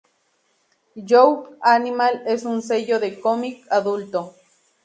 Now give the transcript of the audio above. Young Animal es un sello de cómic adulto.